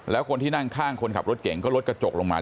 แล้วคนที่นั่งข้างคนขับรถเก่งก็ลดกระจกลงมา